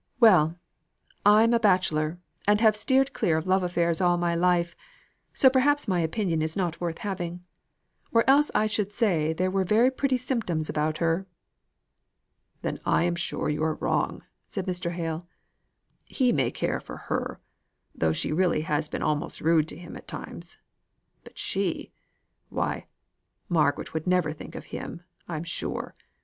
"Well! I'm a bachelor, and have steered clear of love affairs all my life; so perhaps my opinion is not worth having. Or else I should say there were very pretty symptoms about her!" "Then I am sure you are wrong," said Mr. Hale. "He may care for her, though she really has been almost rude to him at times. But she! why, Margaret would never think of him, I'm sure.